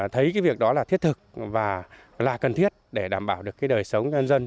thấy cái việc đó là thiết thực và là cần thiết để đảm bảo được cái đời sống nhân dân